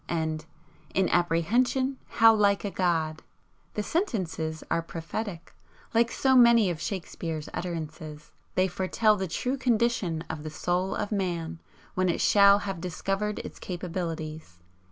and 'In apprehension how like a god!' The sentences are prophetic, like so many of Shakespeare's utterances. They foretell the true condition of the Soul of Man when it shall have discovered its capabilities.